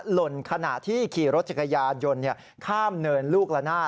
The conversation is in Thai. หล่นขณะที่ขี่รถจักรยานยนต์ข้ามเนินลูกละหน้า